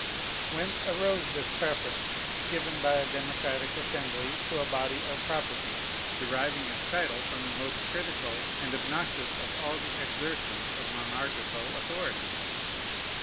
Whence arose this preference given by a democratic assembly to a body of property deriving its title from the most critical and obnoxious of all the exertions of monarchical authority?